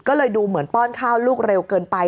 ก็เลยดูเหมือนป้อนข้าวลูกเร็วเกินไป